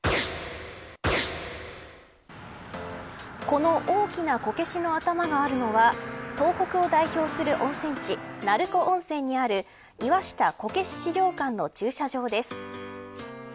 この大きなこけしの頭があるのは東北を代表する温泉地鳴子温泉にある岩下こけし資料館の駐車場です。